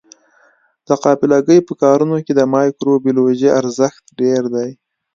د قابله ګۍ په کارونو کې د مایکروبیولوژي ارزښت ډېر دی.